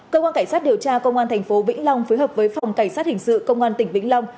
cơ quan cảnh sát điều tra công an thành phố vĩnh long phối hợp với phòng cảnh sát hình sự công an tỉnh vĩnh long